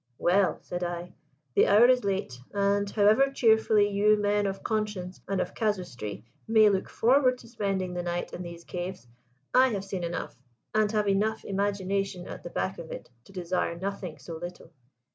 "Well," said I, "the hour is late: and however cheerfully you men of conscience and of casuistry may look forward to spending the night in these caves, I have seen enough, and have enough imagination at the back of it, to desire nothing so little."